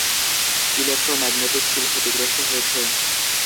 Electromagnetic seal ক্ষতিগ্রস্ত হয়েছে।